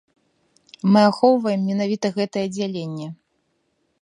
Мы ахоўваем менавіта гэтае аддзяленне.